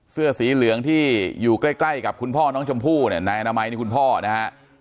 เสื้อสีเหลืองที่อยู่ใกล้ใกล้กับคุณพ่อน้องชมพู่เนี่ยนายอนามัยนี่คุณพ่อนะฮะ